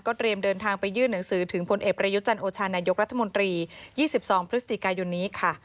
เตรียมเดินทางไปยื่นหนังสือถึงพลเอกประยุจันทร์โอชานายกรัฐมนตรี๒๒พฤศจิกายนนี้ค่ะ